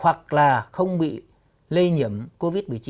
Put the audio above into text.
hoặc là không bị lây nhiễm covid một mươi chín